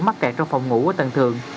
mắc kẹt trong phòng ngủ ở tầng thường